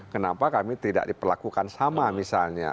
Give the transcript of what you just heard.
kenapa kami tidak diperlakukan sama misalnya